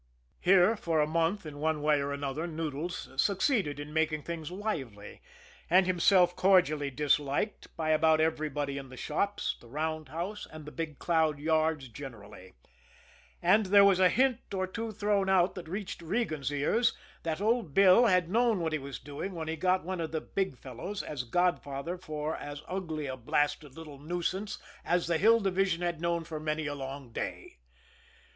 Here, for a month, in one way or another, Noodles succeeded in making things lively, and himself cordially disliked by about everybody in the shops, the roundhouse, and the Big Cloud yards generally. And there was a hint or two thrown out, that reached Regan's ears, that old Bill had known what he was doing when he got one of the "big fellows" as godfather for as ugly a blasted little nuisance as the Hill Division had known for many a long day.